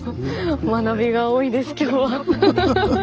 学びが多いです今日は。